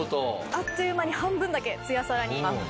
あっという間に半分だけツヤサラに。